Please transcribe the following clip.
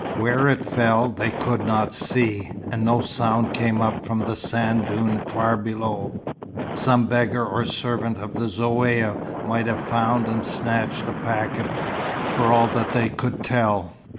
Where it fell, they could not see, and no sound came up from the sand dune far below. Some beggar or servant of the Zaouïa might have found and snatched the packet, for all that they could tell.